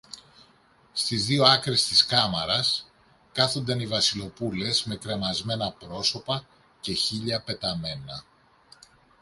στις δυο άκρες της κάμαρας, κάθονταν οι Βασιλοπούλες με κρεμασμένα πρόσωπα και χείλια πεταμένα